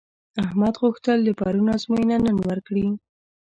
احمد غوښتل د پرون ازموینه نن ورکړي.